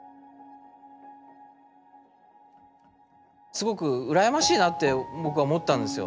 すごく羨ましいなって僕は思ったんですよ。